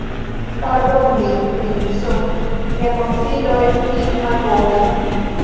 Pardonu min, princo: Mia konsilo estis malbona.